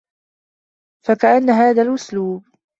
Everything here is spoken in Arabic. فَكَأَنَّ هَذَا الْأُسْلُوبَ